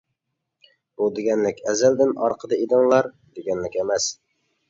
بۇ دېگەنلىك ئەزەلدىن ئارقىدا ئىدىڭلار، دېگەنلىك ئەمەس.